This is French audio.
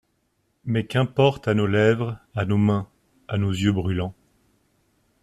Mais qu'importe à nos lèvres, à nos mains, à nos yeux brûlants?